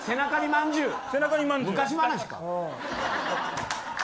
昔話か。